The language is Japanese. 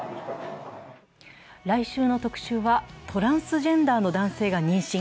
来週の「特集」はトランスジェンダーの男性が妊娠。